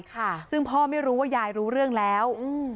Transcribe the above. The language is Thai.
ค่ะซึ่งพ่อไม่รู้ว่ายายรู้เรื่องแล้วอืม